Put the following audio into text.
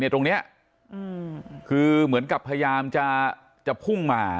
ตรงนี้คือเหมือนกับพยายามจะพุ่งมา